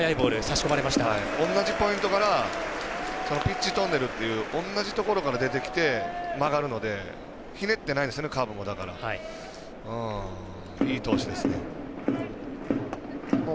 同じポイントからピッチトンネルという同じところから出てきて曲がるのでひねってないんですよねだから、カーブも。